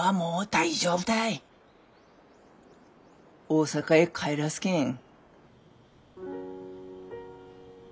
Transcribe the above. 大阪へ帰らすけん。